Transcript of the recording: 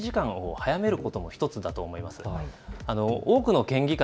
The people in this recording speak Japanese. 開始時間を早めることも１つだと思います。